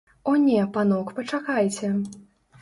О не, панок, пачакайце!